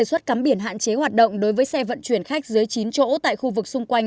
xuất cắm biển hạn chế hoạt động đối với xe vận chuyển khách dưới chín chỗ tại khu vực xung quanh